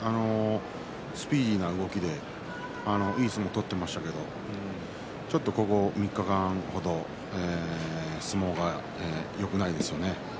スピーディーな動きでいい相撲を取っていましたけどちょっとここ３日間程相撲がよくないですよね。